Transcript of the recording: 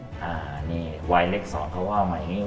นี่วัยเลข๒เขาว่ามาอย่างนี้